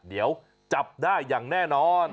เดี๋ยวจับได้อย่างแน่นอน